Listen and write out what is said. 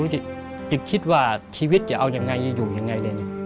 จะคิดว่าชีวิตจะเอายังไงจะอยู่ยังไงเลย